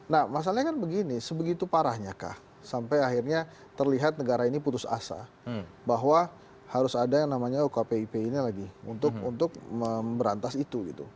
nah masalahnya kan begini sebegitu parahnya kah sampai akhirnya terlihat negara ini putus asa bahwa harus ada yang namanya ukpip ini lagi untuk memberantas itu gitu